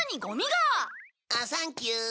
あっサンキュー。